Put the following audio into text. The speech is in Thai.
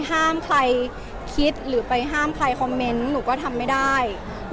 ห้ามใครคิดหรือไปห้ามใครคอมเมนต์หนูก็ทำไม่ได้